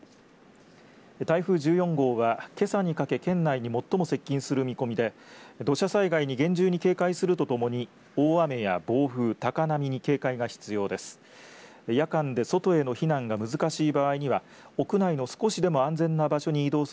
台風１４号はけさにかけ、県内に最も接近する見込みで土砂災害に厳重に警戒するとともに大雨や暴風、高波に警戒が必要です。